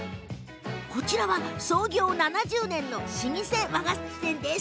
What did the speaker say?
こちらは、創業７０年の老舗和菓子店です。